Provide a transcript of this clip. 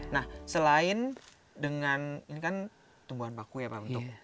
nah selain dengan ini kan tumbuhan baku ya pak untuk media atau inangnya gitu